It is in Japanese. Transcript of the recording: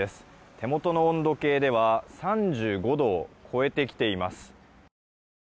手元の温度計では３５度を超えてきています。